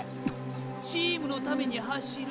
「チームのために走る」